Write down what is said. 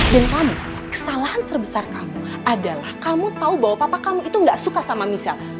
dan kamu kesalahan terbesar kamu adalah kamu tau bahwa papa kamu itu gak suka sama misal